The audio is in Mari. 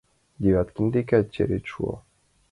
Девяткин декат черет шуо.